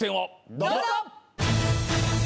どうぞ！